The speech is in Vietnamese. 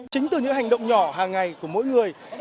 chính từ những hành động nhỏ hàng ngày của mỗi người